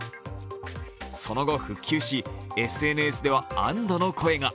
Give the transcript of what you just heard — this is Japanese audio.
その後、復旧し、ＳＮＳでは安どの声が。